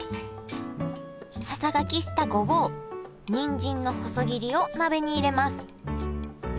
ささがきしたごぼうにんじんの細切りを鍋に入れます。